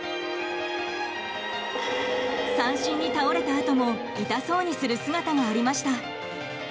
三振に倒れたあとも痛そうにする姿がありました。